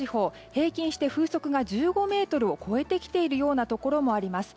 平均して風速が１５メートルを超えてきているようなところもあります。